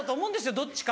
どっちか。